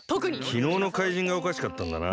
きのうのかいじんがおかしかったんだな。